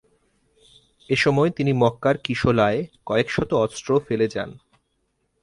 এসময় তিনি মক্কার কিশলায় কয়েকশত অস্ত্র ফেলে যান।